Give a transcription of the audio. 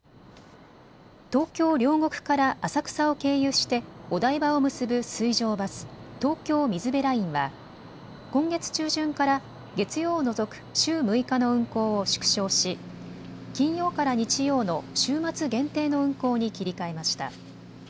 東京両国から浅草を経由してお台場を結ぶ水上バス、東京水辺ラインは今月中旬から月曜を除く週６日の運航を縮小し金曜から日曜の週末限定の運航に切り替えました。